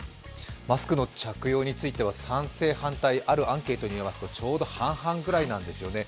マスクの着用については賛成、反対、あるアンケートによりますとちょうど半々くらいなんですよね。